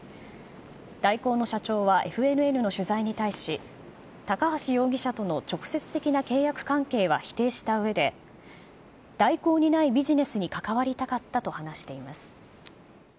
大広の社長は、ＦＮＮの取材に対し、高橋容疑者との直接的な契約関係は否定したうえで、大広にないビジネスに関わりたかったと話しています。